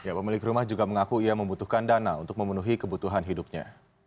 ya pemilik rumah juga mengaku ia membutuhkan dana untuk memenuhi kebutuhan hidupnya